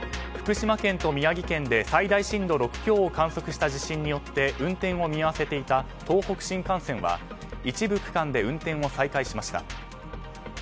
福島県と宮城県で最大震度６強を観測した地震によって運転を見合わせていた東北新幹線は一部区間で運転を再開しました。